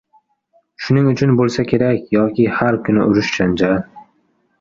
Shuning uchun bo‘lsa kerak yoki har kuni urush-janjal.